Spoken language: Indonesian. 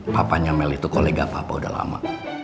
papanya mel itu kolega papa udah lama